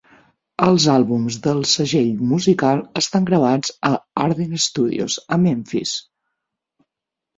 Els àlbums del segell musical estan gravats a Ardent Studios, a Memphis.